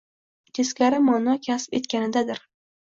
teskari ma’no kasb etganidadir.